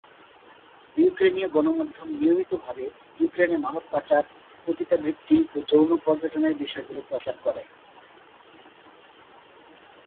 ইউক্রেনীয় গণমাধ্যম নিয়মিতভাবে ইউক্রেনে মানব পাচার, পতিতাবৃত্তি ও যৌন পর্যটনের বিষয়গুলি প্রচার করে।